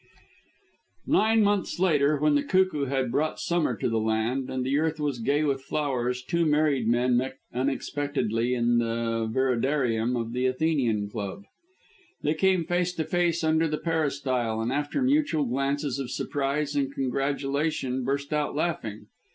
Nine months later, when the cuckoo had brought summer to the land, and the earth was gay with flowers, two married men met unexpectedly in the viridarium of the Athenian Club. They came face to face under the peristyle, and after mutual glances of surprise and congratulation burst out laughing.